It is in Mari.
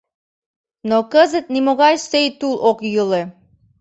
Но кызыт нимогай сӧй тул ок йӱлӧ.